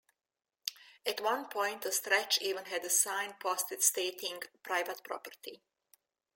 At one point a stretch even had a sign posted stating Private Property.